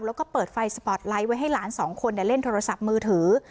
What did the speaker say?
แล้วก็เปิดไฟสปอร์ตไลท์ไว้ให้หลานสองคนเล่นโทรศัพท์มือถือ